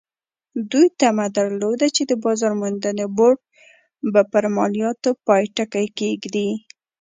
دوی تمه درلوده چې د بازار موندنې بورډ به پر مالیاتو پای ټکی کېږدي.